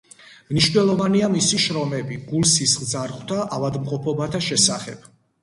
მნიშვნელოვანია მისი შრომები გულ-სისხლძარღვთა ავადმყოფობათა შესახებ.